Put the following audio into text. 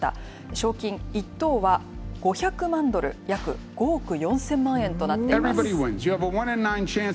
賞金１等は５００万ドル、約５億４０００万円となっています。